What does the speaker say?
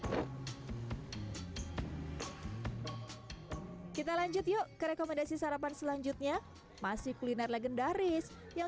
fli tita lanjut yuk kerekomendasi sarapan selanjutnya masih kuliner legendaris yang